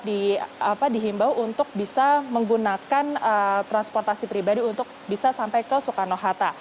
dan juga setelah ini dihimbau untuk bisa menggunakan transportasi pribadi untuk bisa sampai ke soekarno hatta